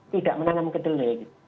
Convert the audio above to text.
tidak menanam kedelai